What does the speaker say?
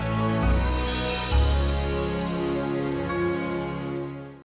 terus terang mama ngerti